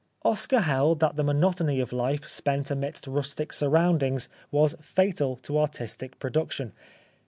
Oscar held that the monotony of life spent amidst rustic surroundings was fatal to artistic production.